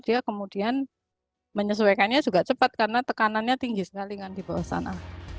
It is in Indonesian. dia kemudian menyesuaikannya juga cepat karena tekanannya tinggi sekali kan di bawah sana